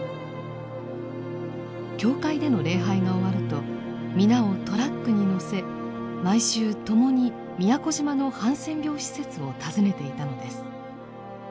教会での礼拝が終わると皆をトラックに乗せ毎週共に宮古島のハンセン病施設を訪ねていたのです。